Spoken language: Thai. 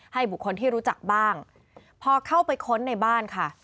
บุคคลที่รู้จักบ้างพอเข้าไปค้นในบ้านค่ะ